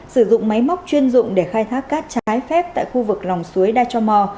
sử dụng máy móc chuyên dụng để khai thác cát trái phép tại khu vực lòng suối đa cho mò